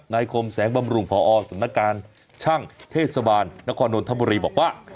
นายคมแสงบำรุงพศนการชั่งเทศวารนนธมรีบอกว่า